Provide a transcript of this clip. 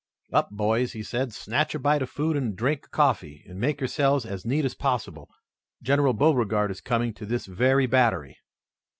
"Up, boys!" he said, "snatch a bite of food and a drink of coffee, and make yourselves as neat as possible. General Beauregard is coming to this very battery."